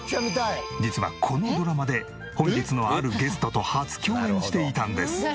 実はこのドラマで本日のあるゲストと初共演していたんです。